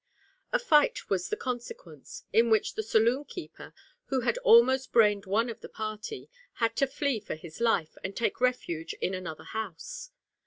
A fight was the consequence, in which the saloon keeper, who had almost brained one of the party, had to flee for his life and take refuge in another house.